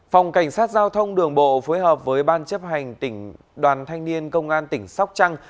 phòng cảnh sát giao thông đường bộ phối hợp với ban chấp hành đoàn thanh niên công an tỉnh sóc trăng